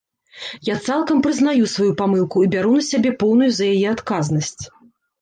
Я цалкам прызнаю сваю памылку і бяру на сябе поўную за яе адказнасць.